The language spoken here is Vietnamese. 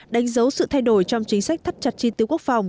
đánh dấu sự thay đổi trong chính sách thắt chặt chi tiêu quốc phòng